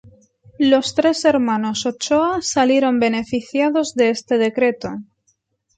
Los tres hermanos Ochoa salieron beneficiados de este decreto.